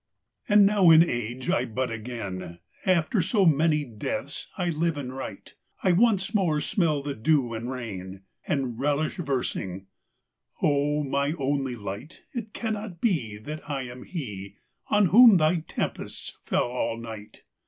And now in age I bud again; After so many deaths I live and write;I once more smell the dew and rain, And relish versing: O my only light, It cannot beThat I am heOn whom thy tempests fell all night!